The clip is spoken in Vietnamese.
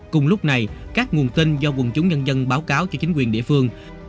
cùng lúc này các nguồn tin do quần chúng nhân dân báo cáo cho chính quyền địa phương